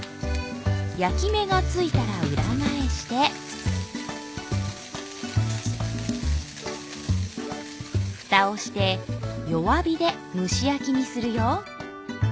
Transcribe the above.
焼き目がついたら裏返してふたをして弱火で蒸し焼きにするよ。